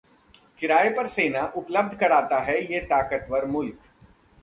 किराए पर सेना उपलब्ध कराता है ये ताकतवर मुल्क!